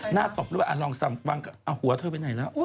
หน้าตบหรือเปล่าลองวางเอาหัวเธอไหนแล้ว